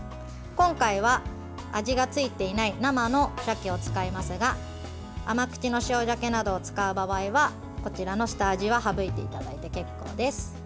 今回は味がついていない生のさけを使いますが甘口の塩ざけなどを使う場合はこちらの下味は省いていただいて結構です。